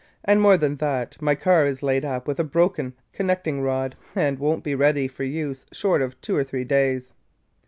And more than that, my car is laid up with a broken connecting rod and won't be ready for use short of two or three days.